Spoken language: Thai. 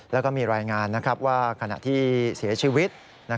แล้วก็มีรายงานว่าขณะที่เสียชีวิต